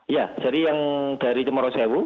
ya jadi yang dari jemoro sewu